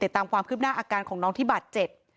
ตามความคืบหน้าอาการของน้องที่บาดเจ็บ